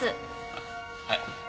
あっはい。